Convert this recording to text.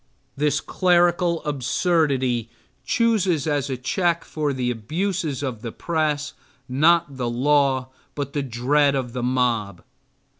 This clerical absurdity chooses as a check for the abuses of the press, not the law but the dread of the mob.